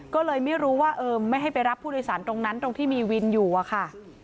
ก็เลยไม่รู้ว่าเออไม่ให้ไปรับผู้โดยสารตรงนั้นตรงที่มีวินอยู่อะค่ะ